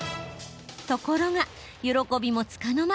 ところが、喜びもつかの間。